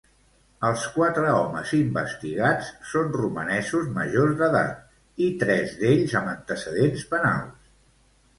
Els quatre homes investigats són romanesos majors d'edat, i tres d'ells amb antecedents penals.